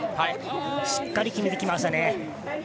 しっかり決めてきましたね。